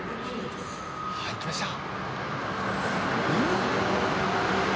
「はい来ました！」